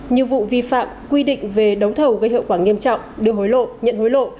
nhiều vụ vi phạm quy định về đấu thầu gây hiệu quả nghiêm trọng được hối lộ nhận hối lộ